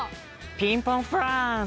ピンポンパンフランス！